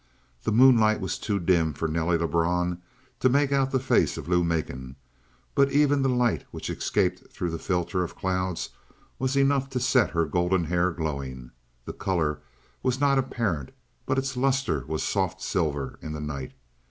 The moonlight was too dim for Nelly Lebrun to make out the face of Lou Macon, but even the light which escaped through the filter of clouds was enough to set her golden hair glowing. The color was not apparent, but its luster was soft silver in the night.